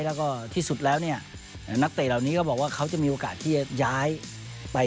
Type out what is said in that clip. แล้วก็ที่สุดแล้วนักเตะเหล่านี้ก็บอกว่า